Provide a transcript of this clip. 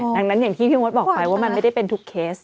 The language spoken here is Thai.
ดังนั้นอย่างที่พี่มดบอกไปว่ามันไม่ได้เป็นทุกเคส